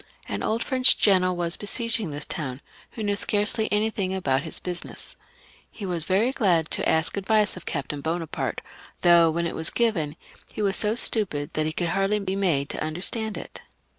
An old French general was besieging this town, who knew scarcely anything about his business. He was very glad to ask advice of Captain Bonaparte, though, when it was given, he was so stupid that he could hardly be made to understand it.